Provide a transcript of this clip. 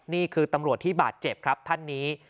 นี่คือตำรวจที่บาดเจ็บครับท่านนี้